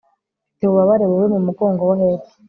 mfite ububabare bubi mumugongo wo hepfo